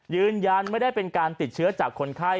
ยืนยันไม่ได้เป็นการติดเชื้อจากคนไข้